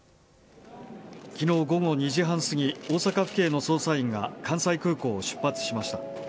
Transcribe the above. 昨日、午後２時半すぎ大阪府警の捜査員が関西空港を出発しました。